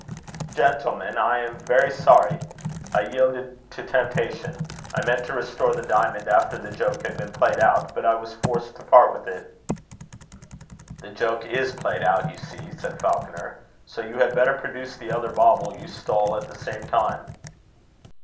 "Gentlemen, I am very sorry. I yielded to temptation. I meant to restore the diamond after the joke had been played out, but I was forced to part with it." "The joke is played out, you see," said Falconer. "So you had better produce the other bauble you stole at the same time."